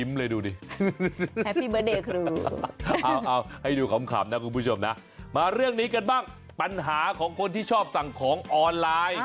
มาเรื่องนี้กันบ้างปัญหาของคนที่ชอบสั่งของออนไลน์